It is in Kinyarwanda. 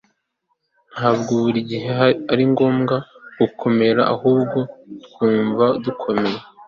ntabwo buri gihe ari ngombwa gukomera, ahubwo twumva dukomeye